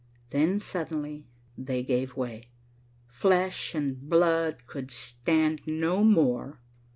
Then suddenly they gave way. Flesh and blood could stand no more.